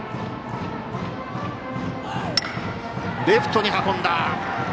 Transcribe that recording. レフトに運んだ！